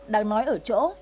đáng nói ở chỗ